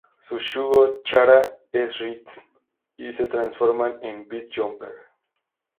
Su Shugo Chara es Rhythm y se transforman en "Beat Jumper".